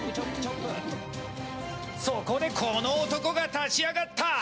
そこで、この男が立ち上がった！